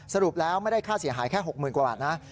สรุปแล้วไม่ได้ค่าเสียหายแค่๖๐๐๐กว่าบาทนะ